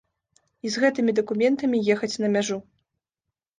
І з гэтымі дакументамі ехаць на мяжу.